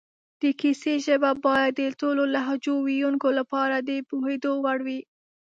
د کیسې ژبه باید د ټولو لهجو ویونکو لپاره د پوهېدو وړ وي